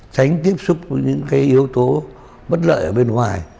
tránh tiếp xúc với những cái yếu tố bất lợi